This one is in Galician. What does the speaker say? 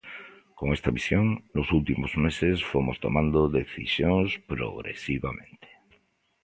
Con esta visión, nos últimos meses fomos tomando decisións progresivamente.